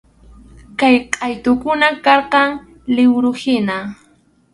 Kay qʼaytukunam karqan liwruhina.